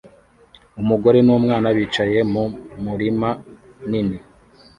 Umugore numwana bicaye mu murima nini